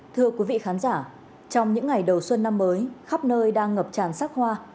thưa quý vị khán giả trong những ngày đầu xuân năm mới khắp nơi đang ngập tràn sắc hoa